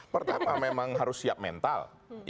pertama memang harus siap mental